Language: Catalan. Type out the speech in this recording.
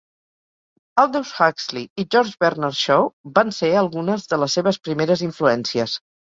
Aldous Huxley i George Bernard Shaw van ser algunes de les seves primeres influències.